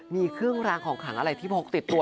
มีเครื่องรางของขังอะไรที่พกติดตัว